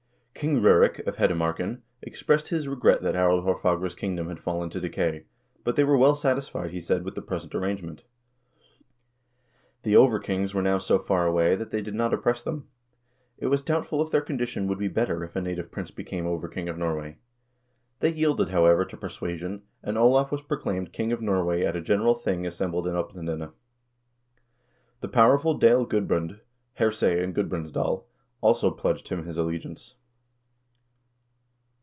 King R0rek of Hedemarken expressed his regret that Harald Haarfagre's kingdom had fallen to decay, but they were well satisfied, he said, with the present arrangement. The over kings were now so far away that they did not oppress them. It was doubtful if their condition would be better if a native prince became over king of Norway. They yielded, however, to persuasion, and Olav was proclaimed king of Norway at a general thing assembled in Oplandene. The powerful Dale Gudbrand, herse in Gudbrandsdal, also pledged him his allegiance.